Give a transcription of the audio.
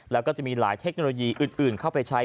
แล้วก็จะมีหลายเทคโนโลยีอื่นเข้าไปใช้